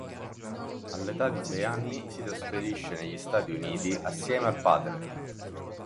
All'età di sei anni si trasferisce negli Stati Uniti assieme al padre.